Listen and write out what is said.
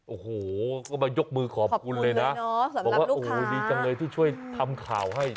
โอ้โหก็มายกมือขอบคุณเลยนะบอกว่าโอ้โหดีจังเลยที่ช่วยทำข่าวให้